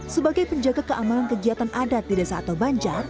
sebagai penjaga keamanan kegiatan adat di desa atau banjar